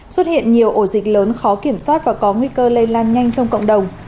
xuất hiện nhiều ổ dịch lớn khó kiểm soát và có nguy cơ lây lan nhanh trong cộng đồng